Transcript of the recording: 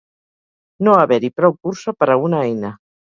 No haver-hi prou cursa per a una eina.